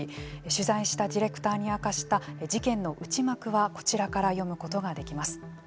取材したディレクターに明かした事件の内幕はこちらから読むことができます。